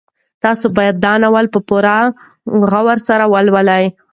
تاسو باید دا ناول په پوره غور سره ولولئ.